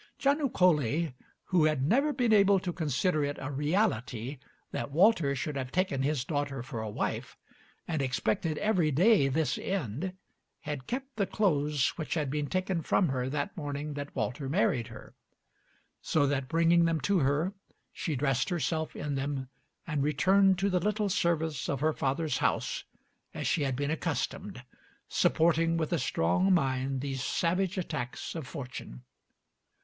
Giannucoli, who had never been able to consider it a reality that Walter should have taken his daughter for a wife, and expected every day this end, had kept the clothes which had been taken from her that morning that Walter married her; so that bringing them to her, she dressed herself in them and returned to the little service of her father's house as she had been accustomed, supporting with a strong mind these savage attacks of fortune.